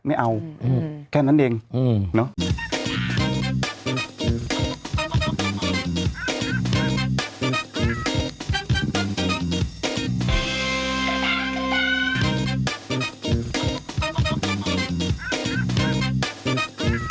ไม่เอาอืมแค่นั้นเองอืมเนอะ